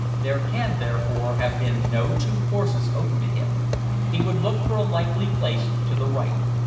There can therefore have been no two courses open to him. He would look for a likely place to the right.